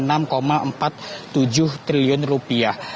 dan ini adalah informasi yang kami dapatkan dalam pukul sembilan waktu indonesia barat